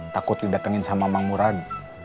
takut didatengin sama emang murad